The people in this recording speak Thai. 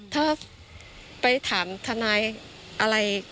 ถ้าไปถามทนายอะไร